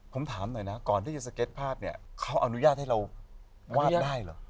ผมถามหน่อยนะก่อนที่จะสเก็ตภาพเนี่ยเขาอนุญาตให้เราวาดได้เหรอ